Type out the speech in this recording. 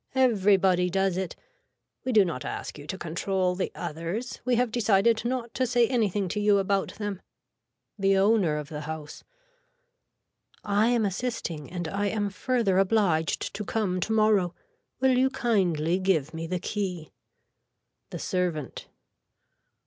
Everybody does it. We do not ask you to control the others. We have decided not to say anything to you about them. (The owner of the house.) I am assisting and I am further obliged to come tomorrow. Will you kindly give me the key. (The servant.)